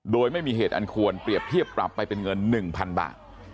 โดยไม่มีเหตุอันควรเปรียบเทียบปรับไปเป็นเงิน๑๐๐๐บาท